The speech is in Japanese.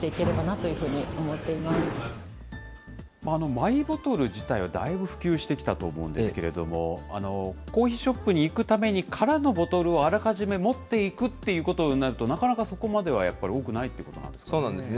マイボトル自体はだいぶ普及してきたと思うんですけれども、コーヒーショップに行くために、空のボトルをあらかじめ持っていくっていうことになると、なかなかそこまではやっぱり多くないということなんですね。